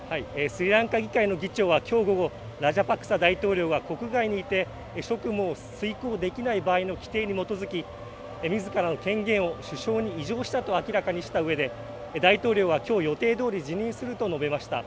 スリランカ議会の議長は、きょう午後ラジャパクサ大統領は国外にいて職務を遂行できない場合の規定に基づきみずからの権限を首相に移譲したと明らかにしたうえで大統領は、きょう予定どおり辞任すると述べました。